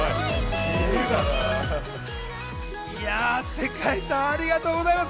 世界さん、ありがとうございます。